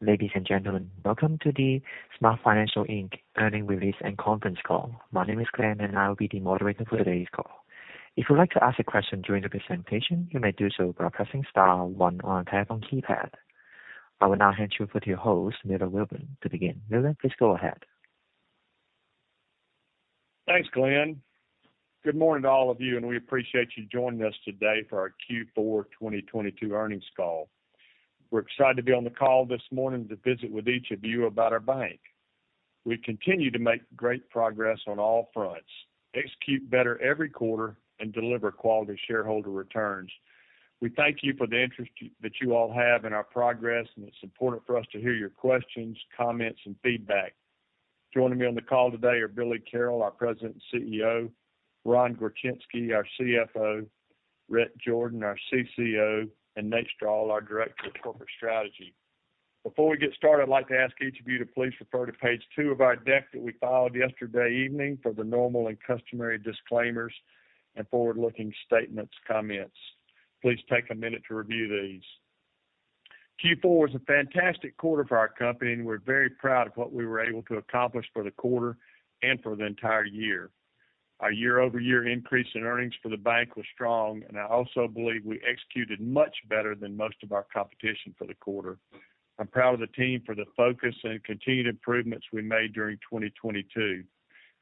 Ladies and gentlemen, welcome to the SmartFinancial, Inc. earning release and conference call. My name is Glenn. I will be the moderator for today's call. If you'd like to ask a question during the presentation, you may do so by pressing star 1 on phone keypad. I will now hand you off to your host, Miller Welborn, to begin. Miller, please go ahead. Thanks, Glenn. Good morning to all of you, we appreciate you joining us today for our Q4 2022 earnings call. We're excited to be on the call this morning to visit with each of you about our bank. We continue to make great progress on all fronts, execute better every quarter, and deliver quality shareholder returns. We thank you for the interest that you all have in our progress, it's important for us to hear your questions, comments, and feedback. Joining me on the call today are Billy Carroll, our President and CEO, Ron Gorczynski, our CFO, Rhett Jordan, our CCO, and Nate Strall, our Director of Corporate Strategy. Before we get started, I'd like to ask each of you to please refer to page 2 of our deck that we filed yesterday evening for the normal and customary disclaimers and forward-looking statements comments. Please take a minute to review these. Q4 was a fantastic quarter for our company. We're very proud of what we were able to accomplish for the quarter and for the entire year. Our year-over-year increase in earnings for the bank was strong. I also believe we executed much better than most of our competition for the quarter. I'm proud of the team for the focus and continued improvements we made during 2022.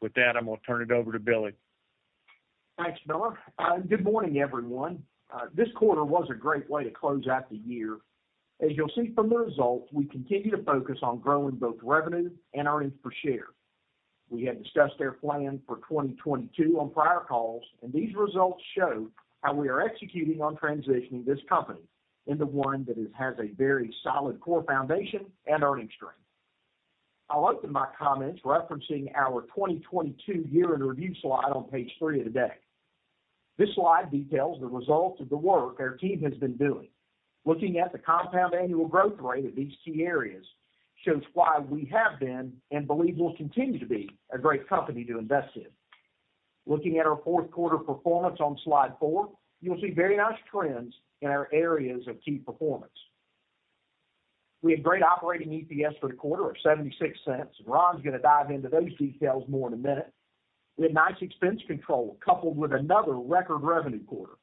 With that, I'm gonna turn it over to Billy. Thanks, Miller. Good morning, everyone. This quarter was a great way to close out the year. As you'll see from the results, we continue to focus on growing both revenue and earnings per share. We had discussed their plan for 2022 on prior calls, and these results show how we are executing on transitioning this company into one that has a very solid core foundation and earnings stream. I'll open my comments referencing our 2022 year-end review slide on page 3 today. This slide details the results of the work our team has been doing. Looking at the compound annual growth rate of these key areas shows why we have been and believe will continue to be a great company to invest in. Looking at our Q4 performance on Slide four, you'll see very nice trends in our areas of key performance. We had great operating EPS for the quarter of $0.76. Ron's gonna dive into those details more in a minute. We had nice expense control coupled with another record revenue quarter.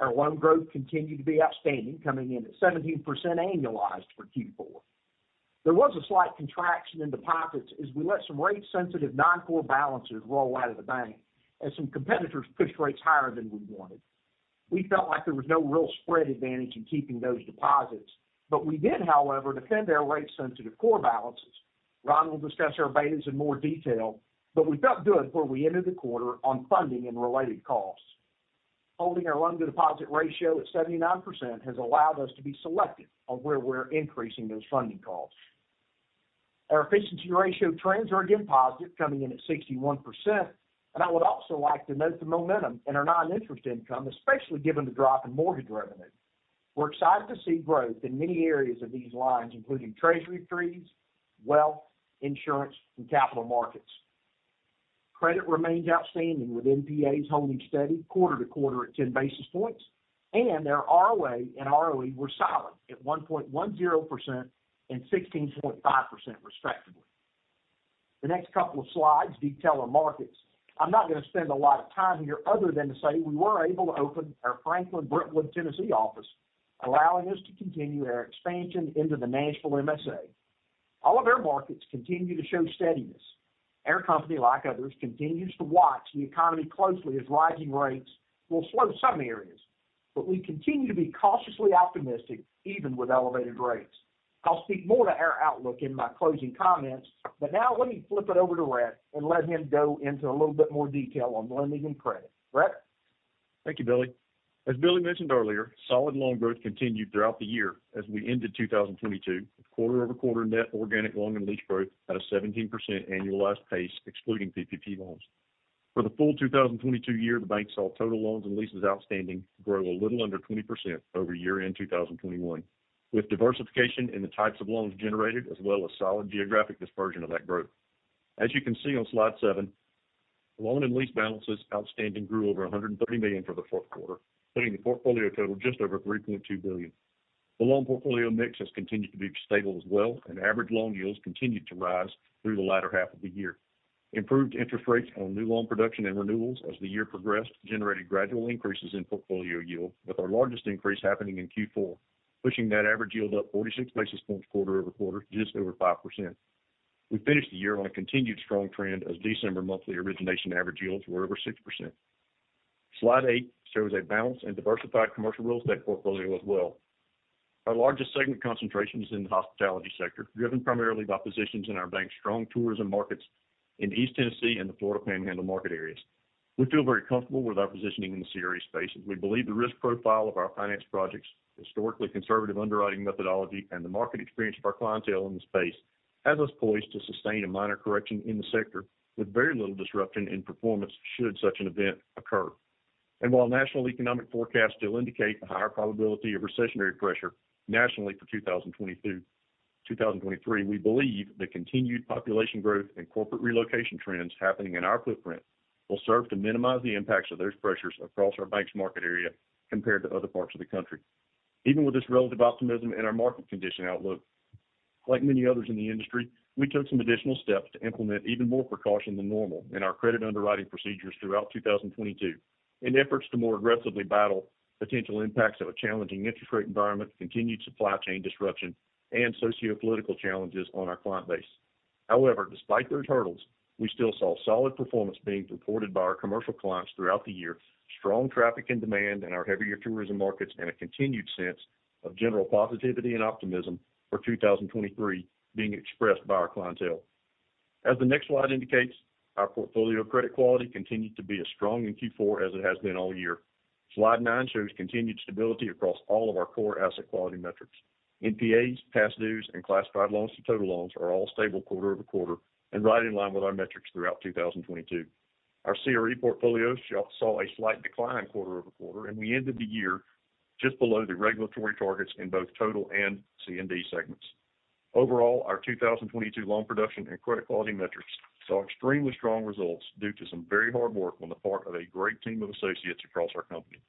Our loan growth continued to be outstanding, coming in at 17% annualized for Q4. There was a slight contraction in deposits as we let some rate-sensitive non-core balances roll out of the bank as some competitors pushed rates higher than we wanted. We felt like there was no real spread advantage in keeping those deposits. We did, however, defend our rate-sensitive core balances. Ron will discuss our betas in more detail. We felt good where we ended the quarter on funding and related costs. Holding our loan-to-deposit ratio at 79% has allowed us to be selective on where we're increasing those funding costs. Our efficiency ratio trends are again positive, coming in at 61%. I would also like to note the momentum in our non-interest income, especially given the drop in mortgage revenue. We're excited to see growth in many areas of these lines, including treasury fees, wealth, insurance, and capital markets. Credit remains outstanding with NPAs holding steady quarter-to-quarter at 10 basis points. Their ROA and ROE were solid at 1.10% and 16.5% respectively. The next couple of slides detail our markets. I'm not gonna spend a lot of time here other than to say we were able to open our Franklin Brentwood, Tennessee office, allowing us to continue our expansion into the Nashville MSA. All of our markets continue to show steadiness. Our company, like others, continues to watch the economy closely as rising rates will slow some areas. We continue to be cautiously optimistic even with elevated rates. I'll speak more to our outlook in my closing comments, but now let me flip it over to Rhett and let him go into a little bit more detail on lending and credit. Rhett? Thank you, Billy. As Billy mentioned earlier, solid loan growth continued throughout the year as we ended 2022 with quarter-over-quarter net organic loan and lease growth at a 17% annualized pace excluding PPP loans. For the full 2022 year, the bank saw total loans and leases outstanding grow a little under 20% over year-end 2021, with diversification in the types of loans generated as well as solid geographic dispersion of that growth. As you can see on Slide seven, loan and lease balances outstanding grew over $130 million for the fourth quarter, putting the portfolio total just over $3.2 billion. The loan portfolio mix has continued to be stable as well, and average loan yields continued to rise through the latter half of the year. Improved interest rates on new loan production and renewals as the year progressed generated gradual increases in portfolio yield, with our largest increase happening in Q4, pushing that average yield up 46 basis points quarter-over-quarter, just over 5%. We finished the year on a continued strong trend as December monthly origination average yields were over 6%. Slide eight shows a balanced and diversified commercial real estate portfolio as well. Our largest segment concentration is in the hospitality sector, driven primarily by positions in our bank's strong tourism markets in East Tennessee and the Florida Panhandle market areas. We feel very comfortable with our positioning in the CRE space, and we believe the risk profile of our finance projects, historically conservative underwriting methodology, and the market experience of our clientele in the space has us poised to sustain a minor correction in the sector with very little disruption in performance should such an event occur. While national economic forecasts still indicate a higher probability of recessionary pressure nationally for 2020 through 2023, we believe the continued population growth and corporate relocation trends happening in our footprint will serve to minimize the impacts of those pressures across our bank's market area compared to other parts of the country. Even with this relative optimism in our market condition outlook, like many others in the industry, we took some additional steps to implement even more precaution than normal in our credit underwriting procedures throughout 2022 in efforts to more aggressively battle potential impacts of a challenging interest rate environment, continued supply chain disruption and sociopolitical challenges on our client base. Despite those hurdles, we still saw solid performance being reported by our commercial clients throughout the year, strong traffic and demand in our heavier tourism markets, and a continued sense of general positivity and optimism for 2023 being expressed by our clientele. As the next slide indicates, our portfolio credit quality continued to be as strong in Q4 as it has been all year. Slide nine shows continued stability across all of our core asset quality metrics. NPAs, past dues, and classified loans to total loans are all stable quarter-over-quarter and right in line with our metrics throughout 2022. Our CRE portfolio saw a slight decline quarter-over-quarter, and we ended the year just below the regulatory targets in both total and C&D segments. Overall, our 2022 loan production and credit quality metrics saw extremely strong results due to some very hard work on the part of a great team of associates across our company.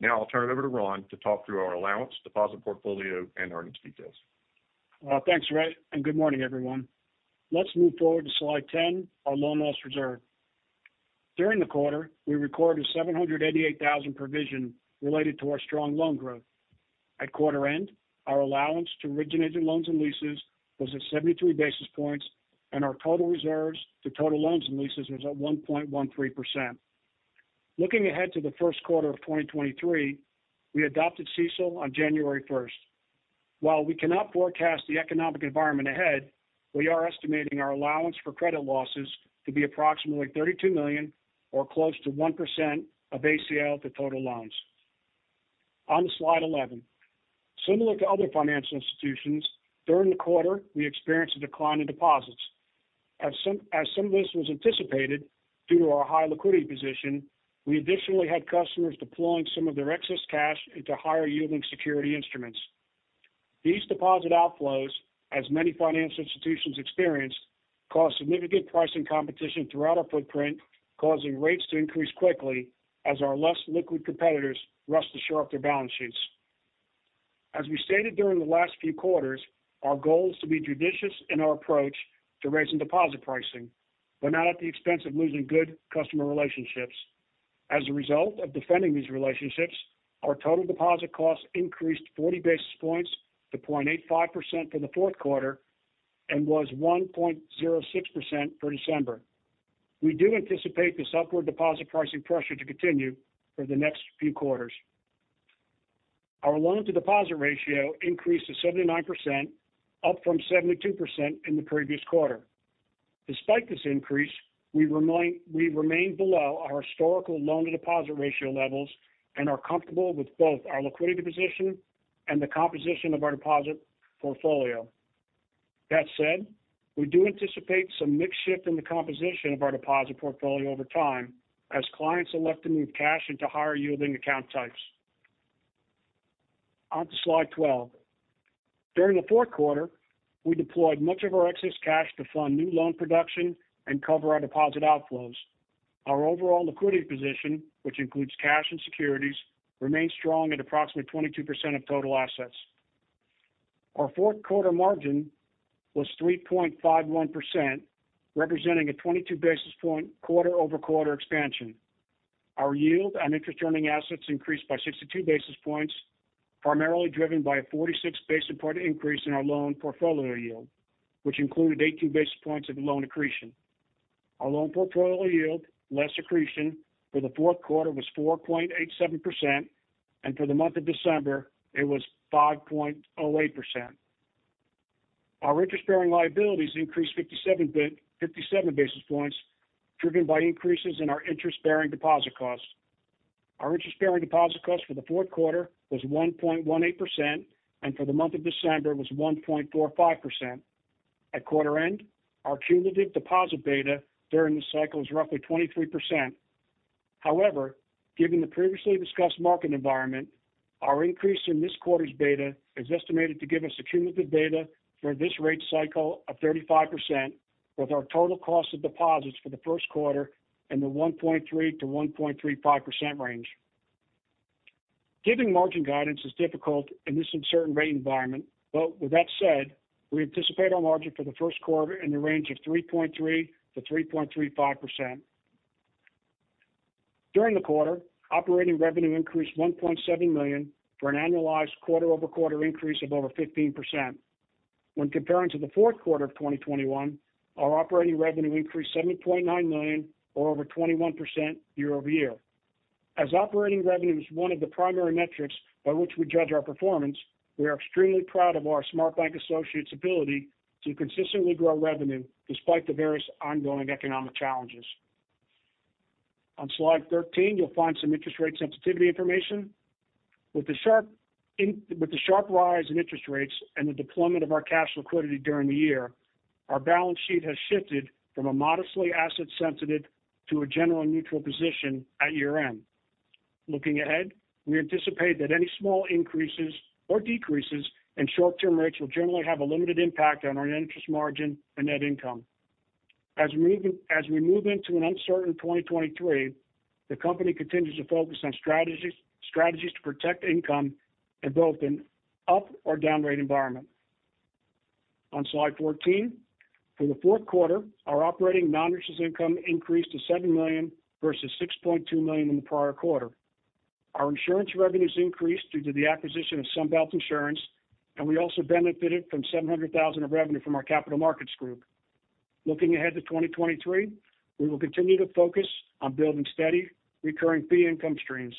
Now I'll turn it over to Ron to talk through our allowance, deposit portfolio, and earnings details. Thanks, Rhett, good morning, everyone. Let's move forward to Slide 10, our loan loss reserve. During the quarter, we recorded $788,000 provision related to our strong loan growth. At quarter end, our allowance to originated loans and leases was at 73 basis points, and our total reserves to total loans and leases was at 1.13%. Looking ahead to the Q1 of 2023, we adopted CECL on January 1. While we cannot forecast the economic environment ahead, we are estimating our allowance for credit losses to be approximately $32 million or close to 1% of ACL to total loans. On to Slide 11. Similar to other financial institutions, during the quarter, we experienced a decline in deposits. As some of this was anticipated due to our high liquidity position, we additionally had customers deploying some of their excess cash into higher yielding security instruments. These deposit outflows, as many financial institutions experienced, caused significant pricing competition throughout our footprint, causing rates to increase quickly as our less liquid competitors rushed to shore up their balance sheets. As we stated during the last few quarters, our goal is to be judicious in our approach to raising deposit pricing, but not at the expense of losing good customer relationships. As a result of defending these relationships, our total deposit costs increased 40 basis points to 0.85% for the Q4 and was 1.06% for December. We do anticipate this upward deposit pricing pressure to continue for the next few quarters. Our loan to deposit ratio increased to 79%, up from 72% in the previous quarter. Despite this increase, we remain below our historical loan to deposit ratio levels and are comfortable with both our liquidity position and the composition of our deposit portfolio. That said, we do anticipate some mix shift in the composition of our deposit portfolio over time as clients elect to move cash into higher yielding account types. On to slide 12. During the fourth quarter, we deployed much of our excess cash to fund new loan production and cover our deposit outflows. Our overall liquidity position, which includes cash and securities, remains strong at approximately 22% of total assets. Our Q4 margin was 3.51%, representing a 22 basis point quarter-over-quarter expansion. Our yield on interest earning assets increased by 62 basis points, primarily driven by a 46 basis point increase in our loan portfolio yield, which included 18 basis points of loan accretion. Our loan portfolio yield less accretion for the Q4 was 4.87%, and for the month of December, it was 5.08%. Our interest-bearing liabilities increased 57 basis points, driven by increases in our interest-bearing deposit costs. Our interest-bearing deposit cost for the Q4 was 1.18%, and for the month of December was 1.45%. At quarter end, our cumulative deposit beta during the cycle is roughly 23%. Given the previously discussed market environment, our increase in this quarter's beta is estimated to give us a cumulative beta for this rate cycle of 35%, with our total cost of deposits for the Q1 in the 1.3%-1.35% range. Giving margin guidance is difficult in this uncertain rate environment, with that said, we anticipate our margin for the Q1 in the range of 3.3%-3.35%. During the quarter, operating revenue increased $1.7 million for an annualized quarter-over-quarter increase of over 15%. Comparing to the Q4 of 2021, our operating revenue increased $70.9 million or over 21% year-over-year. As operating revenue is one of the primary metrics by which we judge our performance, we are extremely proud of our SmartBank associates' ability to consistently grow revenue despite the various ongoing economic challenges. On Slide 13, you'll find some interest rate sensitivity information. With the sharp rise in interest rates and the deployment of our cash liquidity during the year, our balance sheet has shifted from a modestly asset sensitive to a general neutral position at year-end. Looking ahead, we anticipate that any small increases or decreases in short-term rates will generally have a limited impact on our interest margin and net income. As we move into an uncertain 2023, the company continues to focus on strategies to protect income in both an up or down rate environment. On Slide 14, for the fourth quarter, our operating non-interest income increased to $7 million versus $6.2 million in the prior quarter. Our insurance revenues increased due to the acquisition of Sunbelt Insurance, and we also benefited from $700,000 of revenue from our capital markets group. Looking ahead to 2023, we will continue to focus on building steady recurring fee income streams.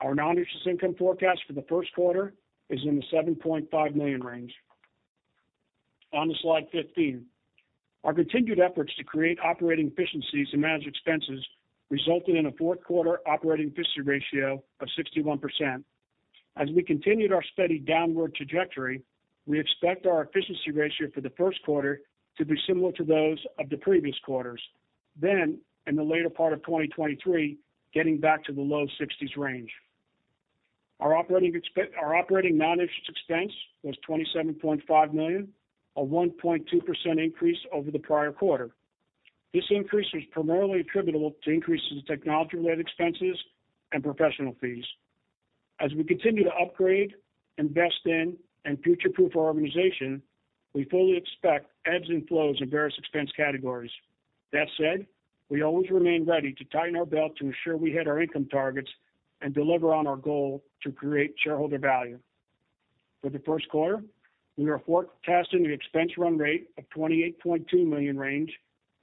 Our non-interest income forecast for the Q1 is in the $7.5 million range. On to Slide 15. Our continued efforts to create operating efficiencies and manage expenses resulted in a Q4 operating efficiency ratio of 61%. As we continued our steady downward trajectory, we expect our efficiency ratio for the Q1 to be similar to those of the previous quarters. In the later part of 2023, getting back to the low 60s range. Our operating non-interest expense was $27.5 million, a 1.2% increase over the prior quarter. This increase was primarily attributable to increases in technology-related expenses and professional fees. As we continue to upgrade, invest in, and future-proof our organization, we fully expect ebbs and flows in various expense categories. That said, we always remain ready to tighten our belt to ensure we hit our income targets and deliver on our goal to create shareholder value. For the first quarter, we are forecasting the expense run rate of $28.2 million range,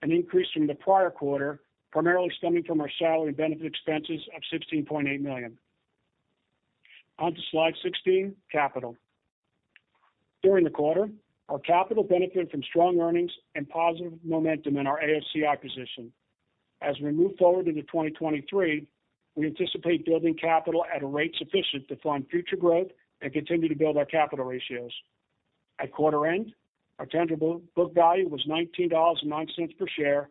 an increase from the prior quarter, primarily stemming from our salary and benefit expenses of $16.8 million. On to Slide 16, capital. During the quarter, our capital benefited from strong earnings and positive momentum in our ASC acquisition. As we move forward into 2023, we anticipate building capital at a rate sufficient to fund future growth and continue to build our capital ratios. At quarter end, our tangible book value was $19.09 per share.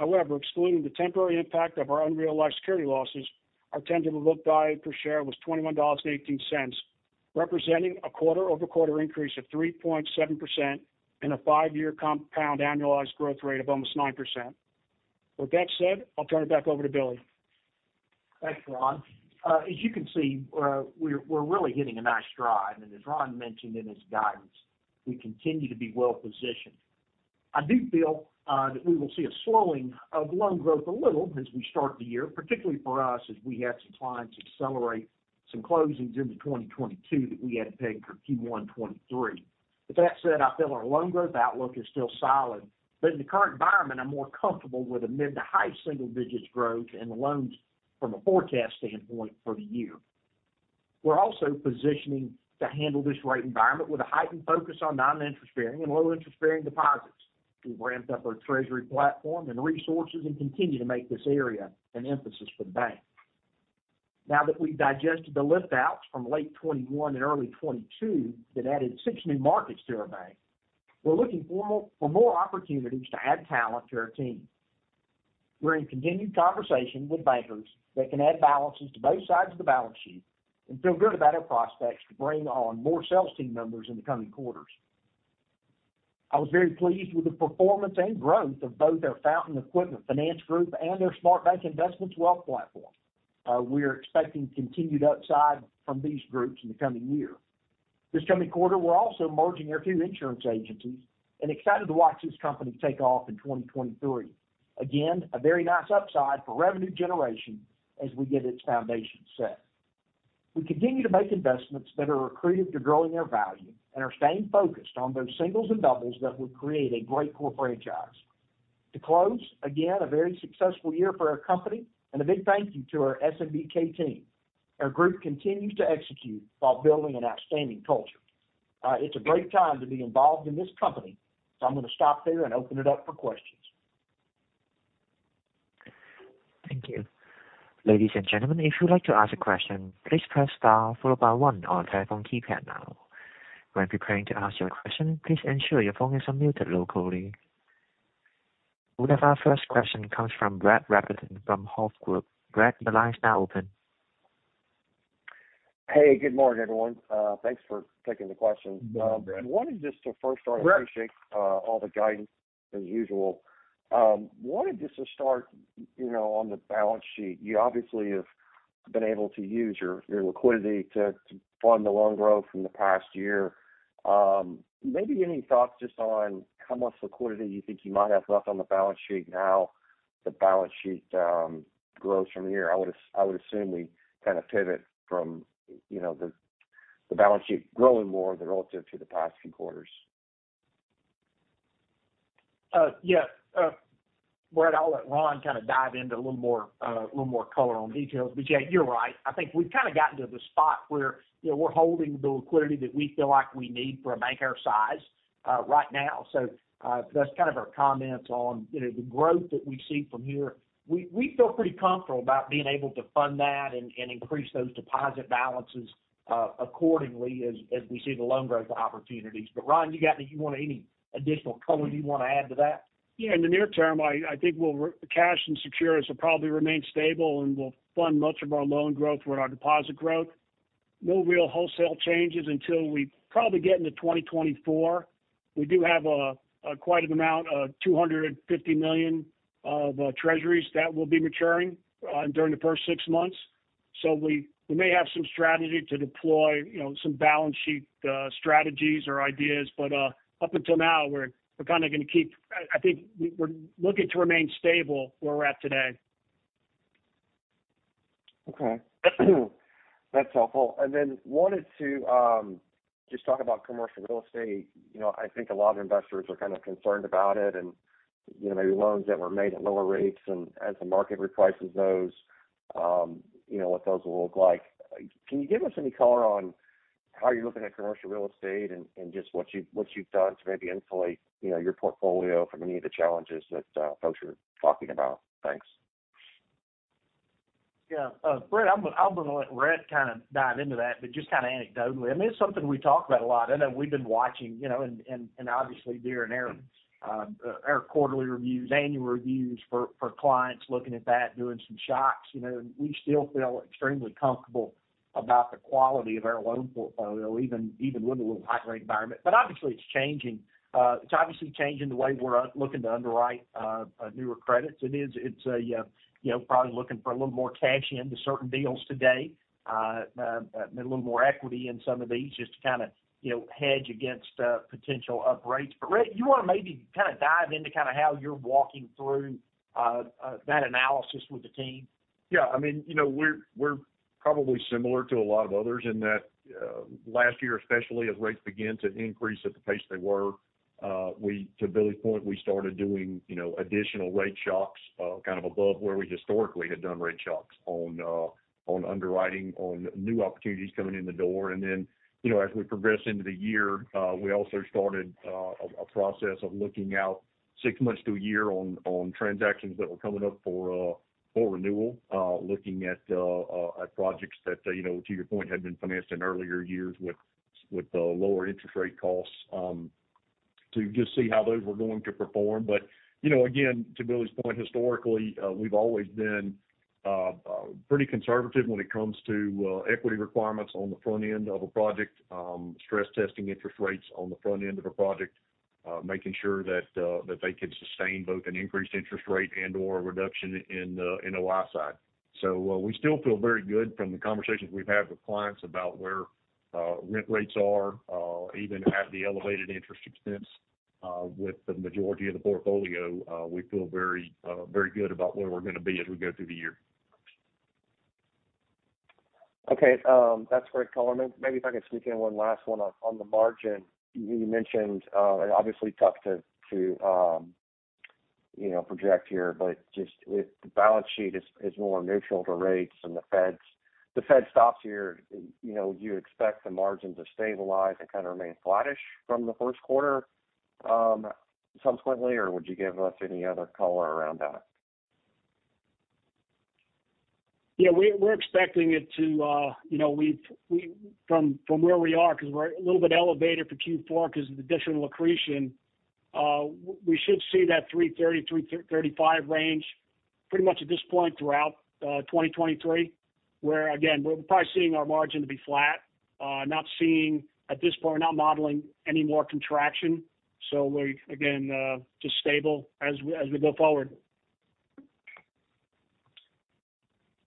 Excluding the temporary impact of our unrealized security losses, our tangible book value per share was $21.18, representing a quarter-over-quarter increase of 3.7% and a five-year compound annualized growth rate of almost 9%. With that said, I'll turn it back over to Billy. Thanks, Ron. As you can see, we're really hitting a nice stride, as Ron mentioned in his guidance, we continue to be well-positioned. I do feel that we will see a slowing of loan growth a little as we start the year, particularly for us as we had some clients accelerate some closings into 2022 that we had to pay for Q1 2023. I feel our loan growth outlook is still solid, but in the current environment, I'm more comfortable with a mid to high single digits growth in the loans from a forecast standpoint for the year. We're also positioning to handle this rate environment with a heightened focus on non-interest bearing and low interest-bearing deposits. We've ramped up our treasury platform and resources and continue to make this area an emphasis for the bank. Now that we've digested the lift outs from late 21 and early 2022, that added 6 new markets to our bank, we're looking for more opportunities to add talent to our team. We're in continued conversation with bankers that can add balances to both sides of the balance sheet and feel good about our prospects to bring on more sales team members in the coming quarters. I was very pleased with the performance and growth of both our Fountain Equipment Finance group and our SmartBank Investments wealth platform. We're expecting continued upside from these groups in the coming year. This coming quarter, we're also merging our two insurance agencies and excited to watch this company take off in 2023. Again, a very nice upside for revenue generation as we get its foundation set. We continue to make investments that are accretive to growing our value and are staying focused on those singles and doubles that would create a great core franchise. To close, again, a very successful year for our company and a big thank you to our SMBK team. Our group continues to execute while building an outstanding culture. It's a great time to be involved in this company. I'm gonna stop there and open it up for questions. Thank you. Ladies and gentlemen, if you'd like to ask a question, please press star followed by 1 on your telephone keypad now. When preparing to ask your question, please ensure your phone is unmuted locally. We'll have our first question comes from Brett Rabatin from Hovde Group. Brett, the line is now open. Hey, good morning, everyone. Thanks for taking the questions. Good morning, Brad. Wanted just to first start, I appreciate all the guidance as usual. Wanted just to start, you know, on the balance sheet. You obviously have been able to use your liquidity to fund the loan growth from the past year. Maybe any thoughts just on how much liquidity you think you might have left on the balance sheet now the balance sheet grows from here? I would assume we kind of pivot from, you know, the balance sheet growing more than relative to the past few quarters. Yeah. Brett, I'll let Ron kind of dive into a little more color on details. Yeah, you're right. I think we've kind of gotten to the spot where, you know, we're holding the liquidity that we feel like we need for a bank our size right now. That's kind of our comments on, you know, the growth that we see from here. We feel pretty comfortable about being able to fund that and increase those deposit balances accordingly as we see the loan growth opportunities. Ron, you got any, you want any additional color you want to add to that? Yeah, in the near term, I think we'll the cash and securities will probably remain stable, and we'll fund much of our loan growth with our deposit growth. No real wholesale changes until we probably get into 2024. We do have quite an amount of $250 million of treasuries that will be maturing during the first 6 months. We may have some strategy to deploy, you know, some balance sheet strategies or ideas. Up until now, I think we're looking to remain stable where we're at today. Okay. That's helpful. Wanted to just talk about commercial real estate. You know, I think a lot of investors are kind of concerned about it and, you know, maybe loans that were made at lower rates and as the market reprices those, you know, what those will look like. Can you give us any color on how you're looking at commercial real estate and just what you've done to maybe insulate, you know, your portfolio from any of the challenges that folks are talking about? Thanks. Yeah. Brett, I'm going to let Rhett kind of dive into that, but just kind of anecdotally. I mean, it's something we talk about a lot. I know we've been watching, you know, and obviously doing our quarterly reviews, annual reviews for clients looking at that, doing some shocks. You know, we still feel extremely comfortable about the quality of our loan portfolio, even with a little high rate environment. Obviously it's changing. It's obviously changing the way we're looking to underwrite newer credits. It's a, you know, probably looking for a little more cash into certain deals today and a little more equity in some of these just to kind of, you know, hedge against potential upgrades. Rhett, you want to maybe kind of dive into kind of how you're walking through that analysis with the team? Yeah. I mean, you know, we're probably similar to a lot of others in that, last year, especially as rates began to increase at the pace they were, to Billy's point, we started doing, you know, additional rate shocks, kind of above where we historically had done rate shocks on underwriting, on new opportunities coming in the door. You know, as we progress into the year, we also started, a process of looking out 6 months to a year on transactions that were coming up for renewal, looking at, projects that, you know, to your point, had been financed in earlier years with the lower interest rate costs, to just see how those were going to perform. You know, again, to Billy's point, historically, we've always been pretty conservative when it comes to equity requirements on the front end of a project, stress testing interest rates on the front end of a project, making sure that they can sustain both an increased interest rate and/or a reduction in the NOI side. We still feel very good from the conversations we've had with clients about where rent rates are, even at the elevated interest expense, with the majority of the portfolio, we feel very, very good about where we're going to be as we go through the year. Okay. that's great color. maybe if I could sneak in one last one on the margin. You mentioned, obviously tough to, you know, project here, but just if the balance sheet is more neutral to rates and the Fed stops here, you know, you expect the margin to stabilize and kind of remain flattish from the first quarter, subsequently, or would you give us any other color around that? Yeah. We're expecting it to, you know, from where we are because we're a little bit elevated for Q4 because of additional accretion. We should see that $3.30-$3.35 range pretty much at this point throughout 2023, where again, we're probably seeing our margin to be flat. Not seeing at this point, not modeling any more contraction. We again, just stable as we go forward.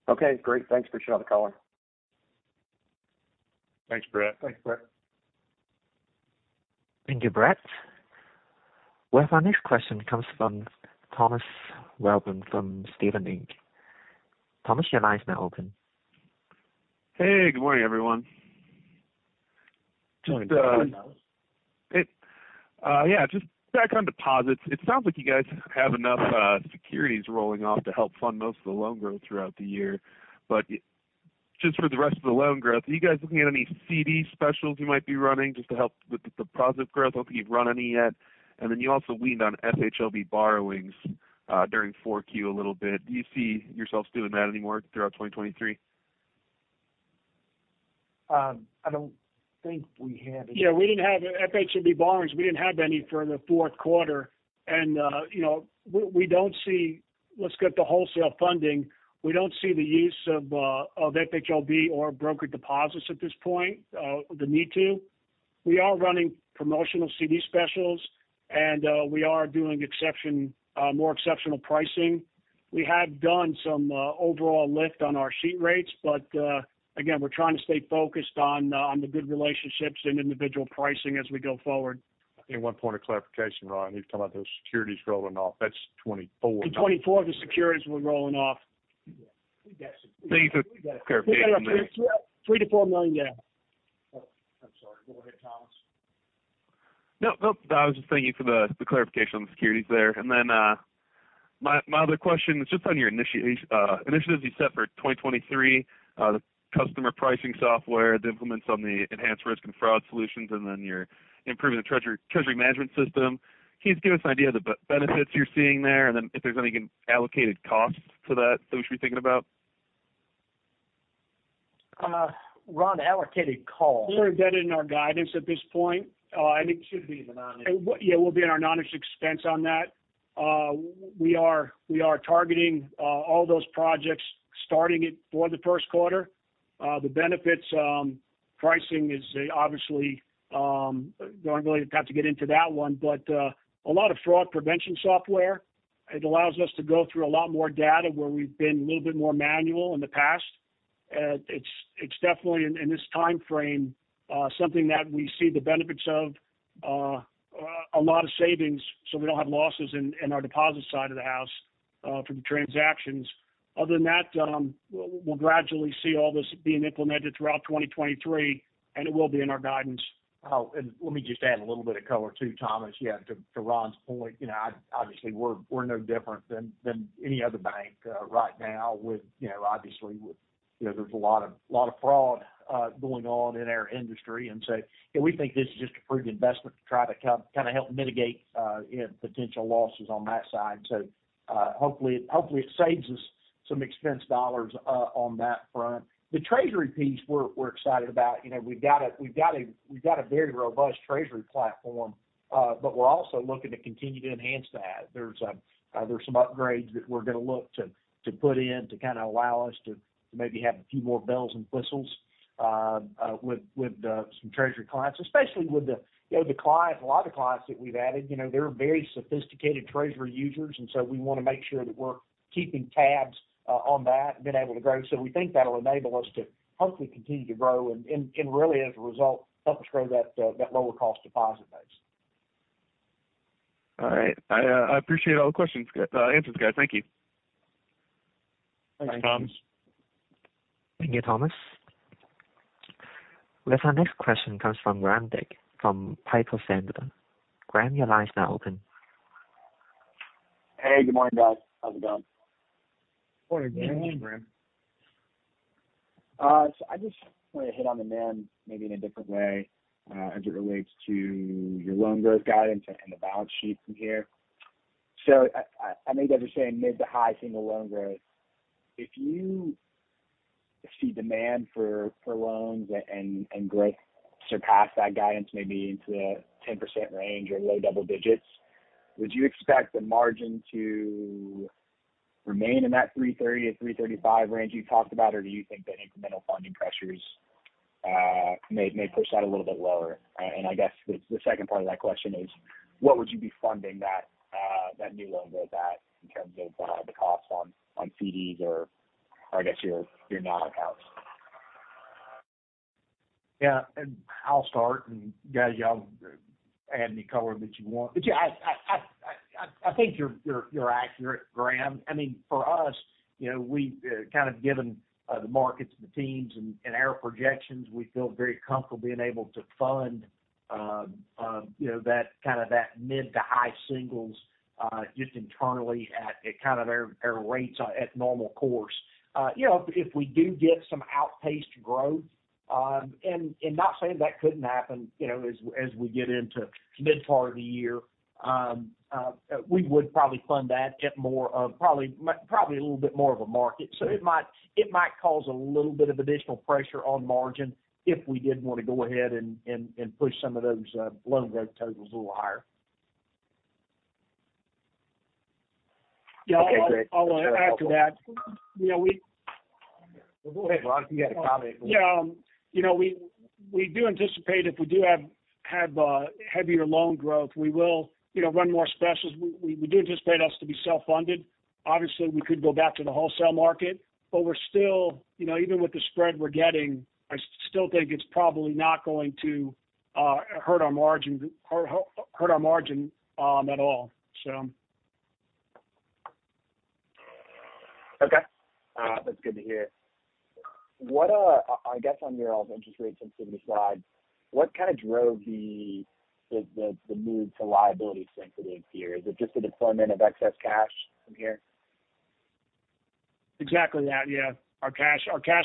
Okay, great. Thanks for sharing the color. Thanks, Brett. Thanks, Brett. Thank you, Brett. Well, our next question comes from Thomas Welborn from Stephens Inc. Thomas, your line is now open. Hey, good morning, everyone. Go ahead, Thomas. Just back on deposits. It sounds like you guys have enough securities rolling off to help fund most of the loan growth throughout the year. Just for the rest of the loan growth, are you guys looking at any CD specials you might be running just to help with the deposit growth? I don't think you've run any yet. You also weaned on FHLB borrowings during four Q a little bit. Do you see yourselves doing that anymore throughout 2023? I don't think we have any. Yeah, we didn't have FHLB borrowings. We didn't have any for the fourth quarter. You know, let's get the wholesale funding. We don't see the use of FHLB or brokered deposits at this point, the need to. We are running promotional CD specials, and we are doing exception, more exceptional pricing. We have done some overall lift on our sheet rates, but again, we're trying to stay focused on the good relationships and individual pricing as we go forward. One point of clarification, Ron. He's talking about those securities rolling off. That's 2024. In 2024, the securities were rolling off. Thank you for the clarification. $3 million-$4 million, yeah. I'm sorry. Go ahead, Thomas. No, no, I was just thanking you for the clarification on the securities there. My other question is just on your initiatives you set for 2023, the customer pricing software, the implements on the enhanced risk and fraud solutions, and then your improvement of treasury management system. Can you just give us an idea of the benefits you're seeing there, and then if there's any allocated costs to that we should be thinking about? Ron, allocated cost. We're embedded in our guidance at this point. It should be in the non-interest. Yeah, we'll be in our non-interest expense on that. We are targeting all those projects starting it for the first quarter. The benefits, pricing is obviously, don't really have to get into that one, but a lot of fraud prevention software. It allows us to go through a lot more data where we've been a little bit more manual in the past. It's definitely in this timeframe, something that we see the benefits of a lot of savings, so we don't have losses in our deposit side of the house for the transactions. Other than that, we'll gradually see all this being implemented throughout 2023, and it will be in our guidance. Let me just add a little bit of color too, Thomas. To Ron's point, you know, obviously, we're no different than any other bank right now with, you know, obviously with, you know, there's a lot of fraud going on in our industry. We think this is just a prudent investment to try to kind of help mitigate, you know, potential losses on that side. Hopefully, it saves us some expense dollars on that front. The treasury piece, we're excited about. You know, we've got a very robust treasury platform, we're also looking to continue to enhance that. There's some upgrades that we're gonna look to put in to kind of allow us to maybe have a few more bells and whistles, with some treasury clients. Especially with the, you know, a lot of clients that we've added, you know, they're very sophisticated treasury users. We wanna make sure that we're keeping tabs on that and being able to grow. We think that'll enable us to hopefully continue to grow and really as a result, help us grow that lower cost deposit base. All right. I appreciate all the questions, answers, guys. Thank you. Thanks, Thomas. Thanks. Thank you, Thomas. With our next question comes from Stephen Scouten from Piper Sandler. Graham, your line is now open. Hey, good morning, guys. How's it going? Good morning, Graham. Morning, Graham. I just wanted to hit on demand maybe in a different way, as it relates to your loan growth guidance and the balance sheet from here. I, I know you guys are saying mid to high single loan growth. If you see demand for loans and growth surpass that guidance maybe into the 10% range or low double digits, would you expect the margin to remain in that 3.30%-3.35% range you talked about, or do you think that incremental funding pressures, may push that a little bit lower? I guess the second part of that question is, what would you be funding that new loan growth at in terms of, the cost on CDs or I guess your non-accounts? Yeah. I'll start, and guys, y'all add any color that you want. Yeah, I think you're accurate, Graham. I mean, for us, you know, we kind of given the markets and the teams and our projections, we feel very comfortable being able to fund, you know, that kind of that mid to high singles, just internally at kind of their rates at normal course. If we do get some outpaced growth, not saying that couldn't happen, you know, as we get into mid part of the year, we would probably fund that at more, probably a little bit more of a market. It might cause a little bit of additional pressure on margin if we did want to go ahead and push some of those, loan growth totals a little higher. Okay, great. Yeah, I'll add to that. You know. Go ahead, Ron, if you got a comment. Yeah. You know, we do anticipate if we do have heavier loan growth, we will, you know, run more specials. We do anticipate us to be self-funded. Obviously, we could go back to the wholesale market, but we're still, you know, even with the spread we're getting, I still think it's probably not going to hurt our margin at all. That's good to hear. What, I guess on your all's interest rate sensitivity slide, what kind of drove the move to liability sensitivity here? Is it just the deployment of excess cash from here? Exactly that, yeah. Our cash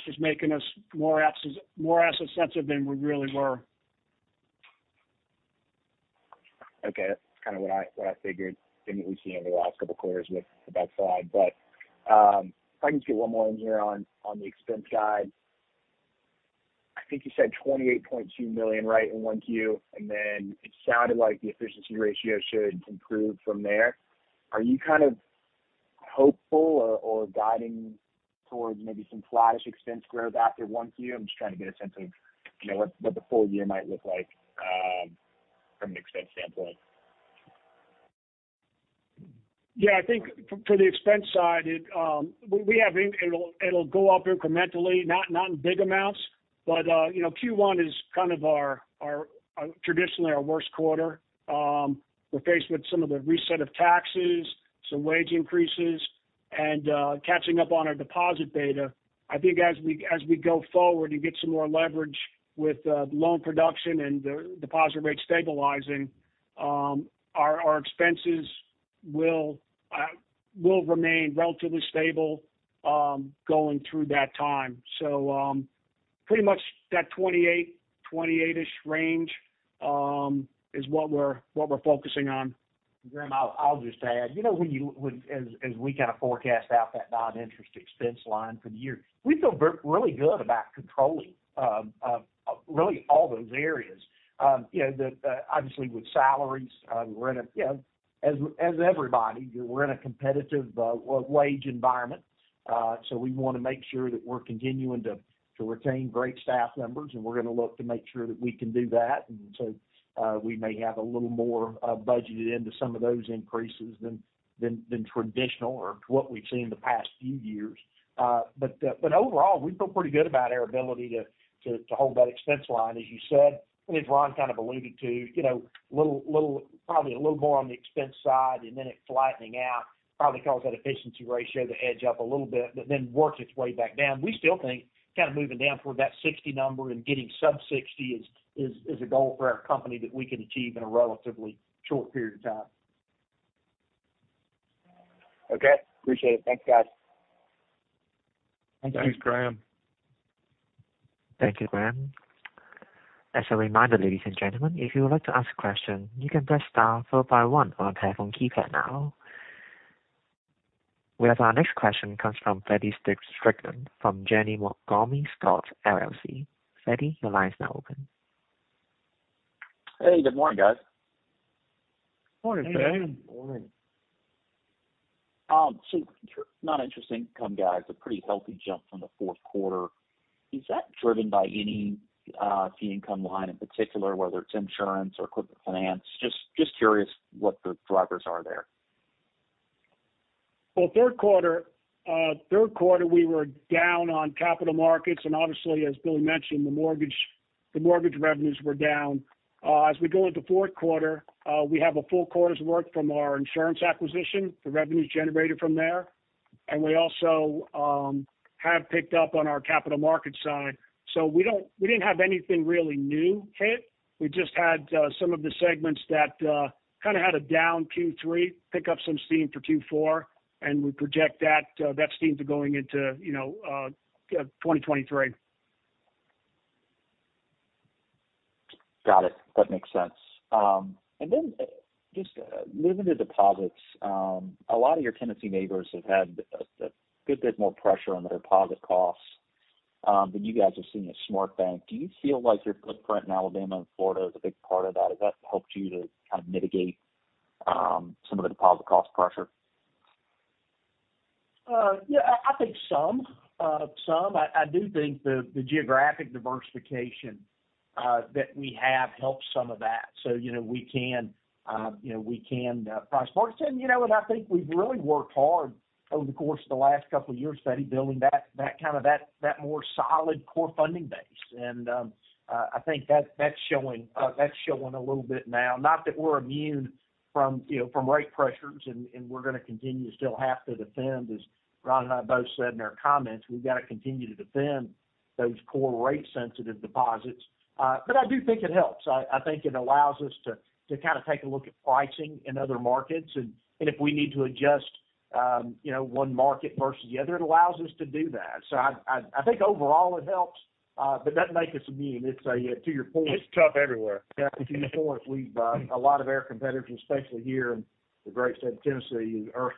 is making us more asset sensitive than we really were. Okay. That's kind of what I, what I figured in what we've seen over the last couple of quarters with that slide. If I can just get one more in here on the expense side. I think you said $28.2 million, right, in 1Q. It sounded like the efficiency ratio should improve from there. Are you kind of hopeful or guiding towards maybe some flattish expense growth after 1Q? I'm just trying to get a sense of, you know, what the full year might look like from an expense standpoint. Yeah. I think for the expense side, it, we have it'll go up incrementally, not in big amounts. You know, Q1 is kind of our traditionally our worst quarter. We're faced with some of the reset of taxes, some wage increases, and catching up on our deposit beta. I think as we go forward and get some more leverage with loan production and the deposit rates stabilizing, our expenses will remain relatively stable going through that time. Pretty much that $28-ish range is what we're focusing on. Stephen, I'll just add. You know, when as we kind of forecast out that non-interest expense line for the year, we feel really good about controlling really all those areas. You know, obviously with salaries, we're in a, you know, as everybody, we're in a competitive wage environment. We wanna make sure that we're continuing to retain great staff members, and we're gonna look to make sure that we can do that. We may have a little more budgeted into some of those increases than traditional or what we've seen in the past few years. But overall, we feel pretty good about our ability to hold that expense line, as you said, and as Ron kind of alluded to, you know, probably a little more on the expense side, and then it flattening out, probably cause that efficiency ratio to edge up a little bit, but then work its way back down. We still think kind of moving down toward that 60 number and getting sub 60 is a goal for our company that we can achieve in a relatively short period of time. Okay. Appreciate it. Thanks, guys. Thank you. Thanks, Graham. Thank you, Graham. As a reminder, ladies and gentlemen, if you would like to ask a question, you can press star followed by one on your telephone keypad now. We have our next question comes from Feddie Strickland from Janney Montgomery Scott LLC. Freddy, your line is now open. Hey, good morning, guys. Morning, Feddie. Hey. Morning. Not interesting income guides, a pretty healthy jump from the fourth quarter. Is that driven by any, fee income line in particular, whether it's insurance or equipment finance? Just curious what the drivers are there. Well, third quarter, we were down on capital markets, and obviously, as Billy mentioned, the mortgage revenues were down. As we go into fourth quarter, we have a full quarter's work from our insurance acquisition, the revenues generated from there. We also have picked up on our capital market side. We didn't have anything really new hit. We just had some of the segments that kinda had a down Q3 pick up some steam for Q4, and we project that steam to going into, you know, 2023. Got it. That makes sense. Just moving to deposits, a lot of your Tennessee neighbors have had a good bit more pressure on their deposit costs than you guys are seeing at SmartBank. Do you feel like your footprint in Alabama and Florida is a big part of that? Has that helped you to kind of mitigate some of the deposit cost pressure? Yeah, I think some. I do think the geographic diversification that we have helps some of that. You know, we can, you know, we can price margin. You know what? I think we've really worked hard over the course of the last couple years, Feddie, building that kind of that more solid core funding base. I think that's showing a little bit now, not that we're immune from, you know, from rate pressures, and we're gonna continue to still have to defend, as Ron and I both said in our comments. We've got to continue to defend those core rate sensitive deposits. I do think it helps. I think it allows us to kind of take a look at pricing in other markets. If we need to adjust, you know, one market versus the other, it allows us to do that. I think overall it helps, but doesn't make us immune. It's, you know, to your point. It's tough everywhere. Yeah, to your point, we've a lot of our competitors, especially here in the great state of Tennessee, are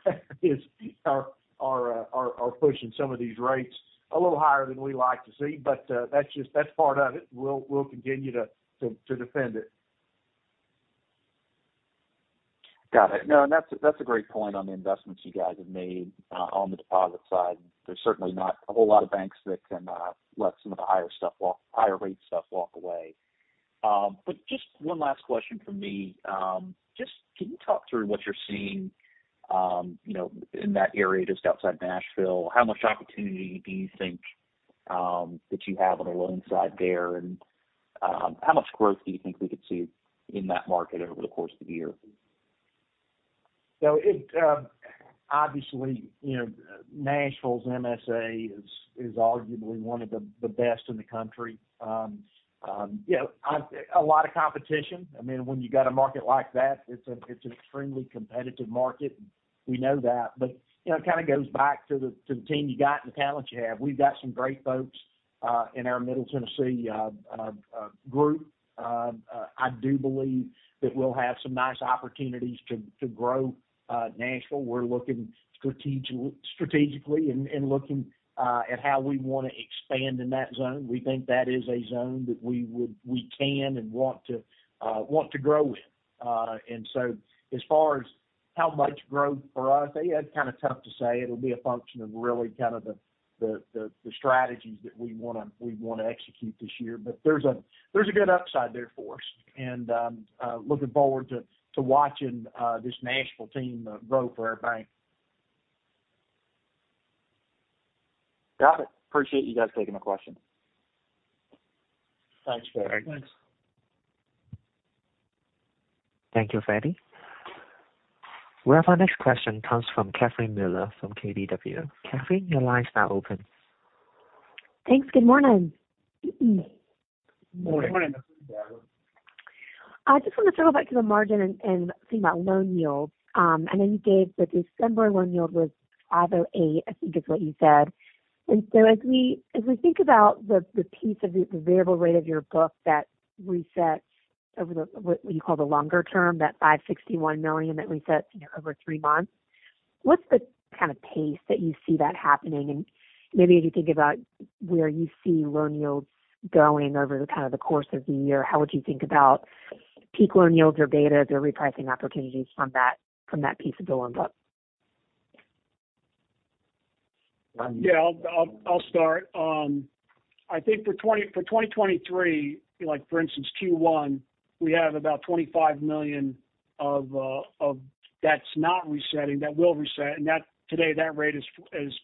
pushing some of these rates a little higher than we like to see. But, that's just, that's part of it. We'll continue to defend it. Got it. No, that's a great point on the investments you guys have made, on the deposit side. There's certainly not a whole lot of banks that can let some of the higher rate stuff walk away. Just one last question from me. Just can you talk through what you're seeing, you know, in that area just outside Nashville? How much opportunity do you think that you have on the loan side there? How much growth do you think we could see in that market over the course of the year? It, obviously, you know, Nashville's MSA is arguably one of the best in the country. You know, a lot of competition. I mean, when you got a market like that, it's an extremely competitive market. We know that. You know, it kinda goes back to the team you got and the talent you have. We've got some great folks in our Middle Tennessee group. I do believe that we'll have some nice opportunities to grow Nashville. We're looking strategically and looking at how we wanna expand in that zone. We think that is a zone that we can and want to grow in. As far as how much growth for us, it's kinda tough to say. It'll be a function of really kind of the strategies that we wanna execute this year. There's a good upside there for us, and looking forward to watching this Nashville team grow for our bank. Got it. Appreciate you guys taking my question. Thanks, Feddie. Thanks. Thank you, Freddy. We have our next question comes from Catherine Mealor from KBW. Catherine, your line is now open. Thanks. Good morning. Morning. Morning. I just want to circle back to the margin and think about loan yields. I know you gave the December loan yield was 508, I think is what you said. As we think about the piece of the variable rate of your book that resets over the, what you call the longer term, that $561 million that resets, you know, over three months, what's the kind of pace that you see that happening? Maybe as you think about where you see loan yields going over kind of the course of the year, how would you think about peak loan yields or betas or repricing opportunities from that piece of the loan book? Yeah, I'll start. I think for 2023, like for instance Q1, we have about $25 million of that's not resetting, that will reset, and that today, that rate is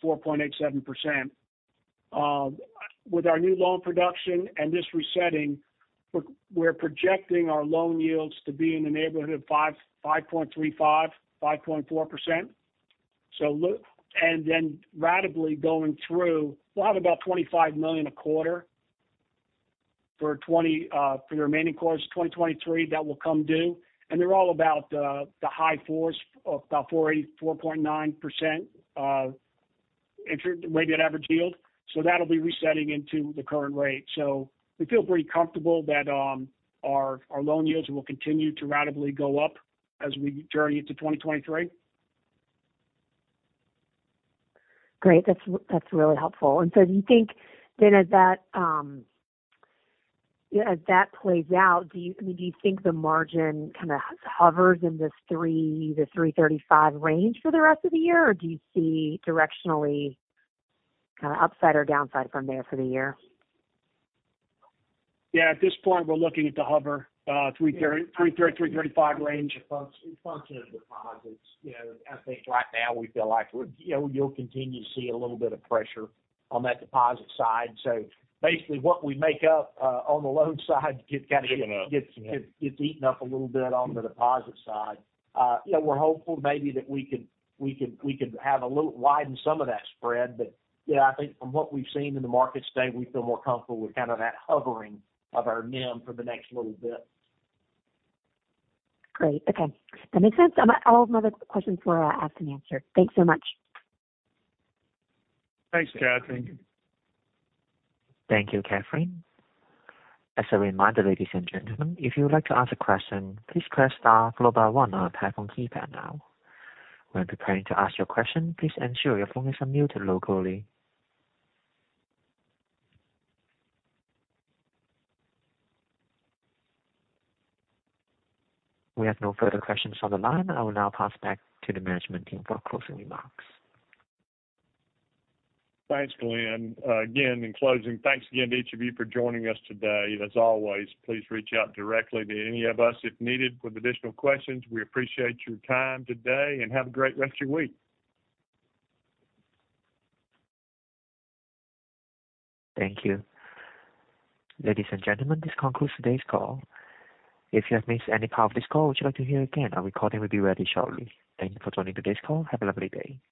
4.87%. With our new loan production and this resetting, we're projecting our loan yields to be in the neighborhood of 5.35%-5.4%. And then ratably going through, we'll have about $25 million a quarter for the remaining quarters of 2023 that will come due. They're all about the high fours, about 4.8, 4.9% weighted average yield. That'll be resetting into the current rate. we feel pretty comfortable that our loan yields will continue to ratably go up as we journey into 2023. Great. That's really helpful. Do you think then as that as that plays out, I mean, do you think the margin kind of hovers in this 3% to 3.35% range for the rest of the year, or do you see directionally kind of upside or downside from there for the year? Yeah, at this point, we're looking at the hover, $330-$335 range. A function of deposits. You know, I think right now we feel like we're. You know, you'll continue to see a little bit of pressure on that deposit side. Basically what we make up on the loan side gets kind of. Eaten up. Gets eaten up a little bit on the deposit side. You know, we're hopeful maybe that we could have a little widen some of that spread. I think from what we've seen in the markets today, we feel more comfortable with kind of that hovering of our NIM for the next little bit. Great. Okay. That makes sense. All of my other questions were asked and answered. Thanks so much. Thanks, Catherine. Thank you, Catherine. As a reminder, ladies and gentlemen, if you would like to ask a question, please press star low bar one on your telephone keypad now. When preparing to ask your question, please ensure your phone is unmuted locally. We have no further questions on the line. I will now pass back to the management team for closing remarks. Thanks, Glenn. Again, in closing, thanks again to each of you for joining us today. As always, please reach out directly to any of us if needed with additional questions. We appreciate your time today. Have a great rest of your week. Thank you. Ladies and gentlemen, this concludes today's call. If you have missed any part of this call, would you like to hear again, a recording will be ready shortly. Thank you for joining today's call. Have a lovely day.